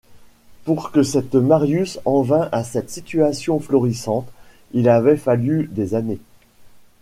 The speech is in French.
Pour que Marius en vînt à cette situation florissante, il avait fallu des années.